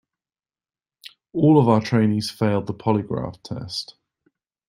All of our trainees failed the polygraph test.